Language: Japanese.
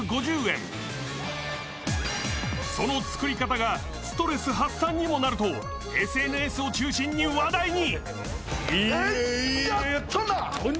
その作り方がストレス発散にもなると、ＳＮＳを中心に話題に。